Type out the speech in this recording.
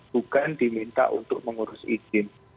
bukan diminta untuk mengurus izin